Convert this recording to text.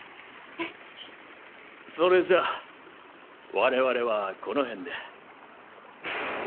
それじゃ我々はこの辺で。